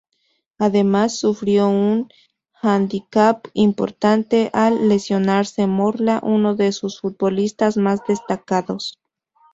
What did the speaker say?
Además sufrió un hándicap importante al lesionarse Morla, uno de sus futbolistas más destacados.